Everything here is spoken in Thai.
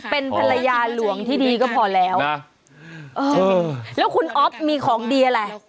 เป็นภรรยาหลวงที่ดีก็พอแล้วแล้วคุณอ๊อฟมีของดีอะไร